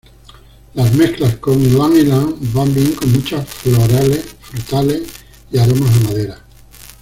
Las mezclas con Ylang-ylang van bien con muchas florales, frutales y aromas a maderas.